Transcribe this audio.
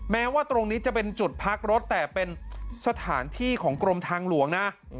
แม้ว่าตรงนี้จะเป็นจุดพักรถแต่เป็นสถานที่ของกรมทางหลวงนะ